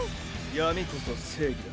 闇こそ正義だ。